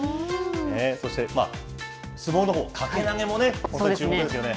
そして、相撲のほう、掛け投げもね、本当に注目ですよね。